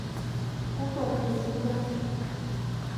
工作并不轻松